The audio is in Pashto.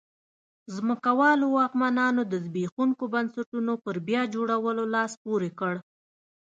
ځمکوالو واکمنانو د زبېښونکو بنسټونو پر بیا جوړولو لاس پورې کړ.